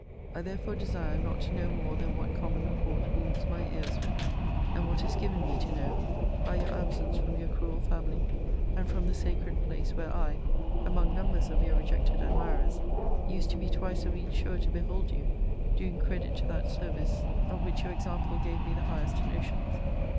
I therefore desire not to know more than what common report wounds my ears with; and what is given me to know, by your absence from your cruel family, and from the sacred place, where I, among numbers of your rejected admirers, used to be twice a week sure to behold you doing credit to that service of which your example gave me the highest notions.